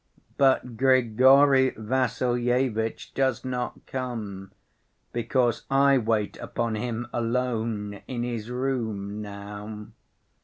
But Grigory Vassilyevitch does not come, because I wait upon him alone in his room now.